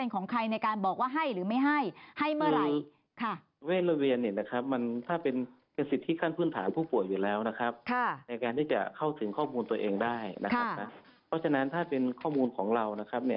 ก็ถึงข้อมูลตัวเองได้เพราะฉะนั้นถ้าเป็นข้อมูลของเรา